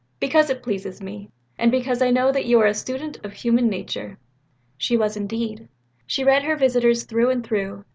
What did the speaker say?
Because it pleases me, and because I know that you are a student of human nature." She was indeed. She read her visitors through and through.